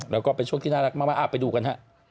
แล้วก็เป็นช่วงที่น่ารักมากไปดูกันฮะ